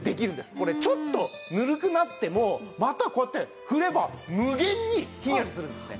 これちょっとぬるくなってもまたこうやって振れば無限にひんやりするんですね。